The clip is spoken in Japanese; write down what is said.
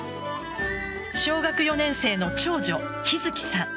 小学４年生の長女・陽月さん